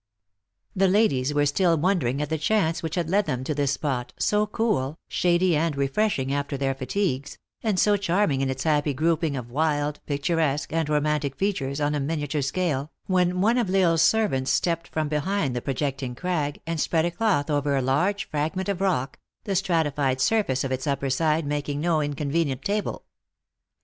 97 The ladies were still wondering at the chance which had led them to this spot, so cool, shady and refresh ing after their fatigues, and so charming in its happy grouping of wild, picturesque, and romantic features on a miniature scale, when one of L Isle s servants stepped from behind the projecting crag, and spread a cloth over a large fragment of rock, the stratified surface of its upper side making no inconvenient table.